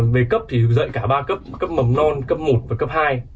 về cấp thì dạy cả ba cấp mầm non cấp một và cấp hai